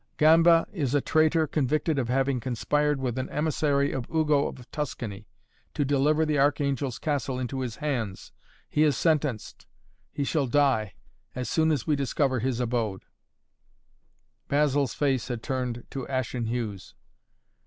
Gamba is a traitor convicted of having conspired with an emissary of Ugo of Tuscany, to deliver the Archangel's Castle into his hands. He is sentenced he shall die as soon as we discover his abode " Basil's face had turned to ashen hues.